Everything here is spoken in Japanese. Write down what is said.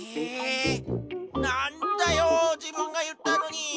えなんだよじぶんがいったのに。